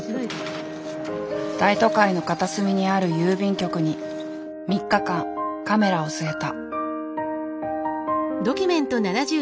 大都会の片隅にある郵便局に３日間カメラを据えた。